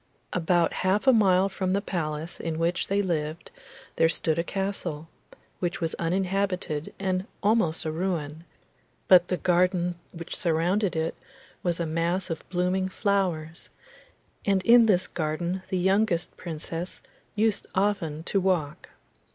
About half a mile from the palace in which they lived there stood a castle, which was uninhabited and almost a ruin, but the garden which surrounded it was a mass of blooming flowers, and in this garden the youngest Princess used often to walk.